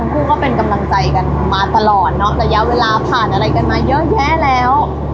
คู่ก็เป็นกำลังใจกันมาตลอดเนอะระยะเวลาผ่านอะไรกันมาเยอะแยะแล้ว